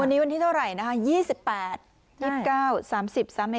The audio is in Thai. วันนี้วันที่เท่าไหร่นะคะ